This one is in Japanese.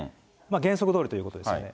原則どおりということですよね。